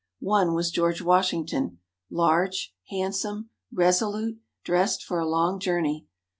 One was George Washington, large, handsome, resolute, dressed for a long journey.